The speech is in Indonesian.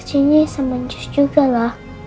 kecilnya sama njus juga lah